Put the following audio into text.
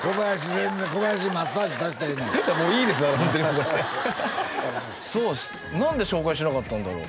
全然小林にマッサージさしたらええねんもういいですだからホントにこれそう何で紹介しなかったんだろう？